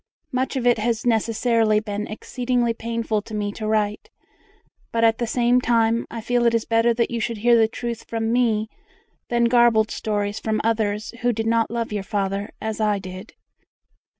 Much of it has necessarily been exceedingly painful to me to write, but at the same time I feel it is better that you should hear the truth from me than garbled stories from others who did not love your father as I did.